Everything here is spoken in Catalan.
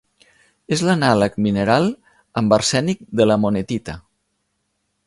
És l'anàleg mineral amb arsènic de la monetita.